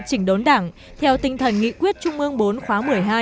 chỉnh đốn đảng theo tinh thần nghị quyết trung ương bốn khóa một mươi hai